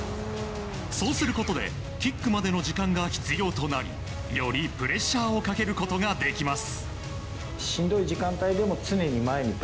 そうすることでキックまでの時間が必要となりよりプレッシャーをかけることができます。